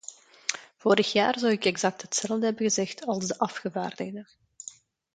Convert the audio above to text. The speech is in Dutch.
Vorig jaar zou ik exact hetzelfde hebben gezegd als de afgevaardigde.